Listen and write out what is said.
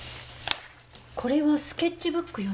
これはスケッチブックよね。